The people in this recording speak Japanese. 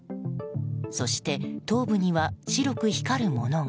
そして、頭部には白く光るものが。